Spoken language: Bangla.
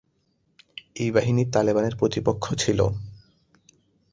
এই বাহিনী তালেবানের প্রতিপক্ষ ছিল।